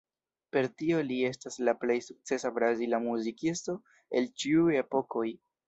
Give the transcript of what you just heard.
Per tio li estas la plej sukcesa brazila muzikisto el ĉiuj epokoj.